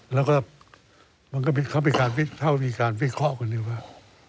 แล้วก็มันก็เข้าไปการฟิกเคราะห์กันดีกว่า